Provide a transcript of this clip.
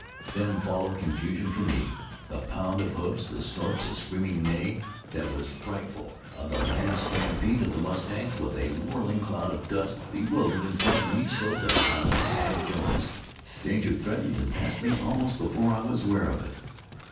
Then followed confusion for me. The pound of hoofs, the snorts, a screaming neigh that was frightful, the mad stampede of the mustangs with a whirling cloud of dust, bewildered and frightened me so that I lost sight of Jones. Danger threatened and passed me almost before I was aware of it.